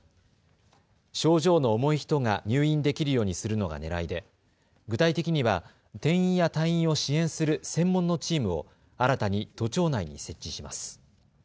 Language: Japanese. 症状の重い人が入院できるようにするのがねらいで具体的には転院や退院を支援する専門のチームを新たに都庁内に設置します。